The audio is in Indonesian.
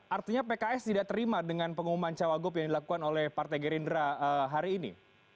artinya pks tidak terima dengan pengumuman cawagup yang dilakukan oleh partai gerindra hari ini